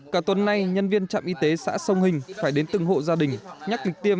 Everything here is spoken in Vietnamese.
cả tuần nay nhân viên trạm y tế xã sông hình phải đến từng hộ gia đình nhắc lịch tiêm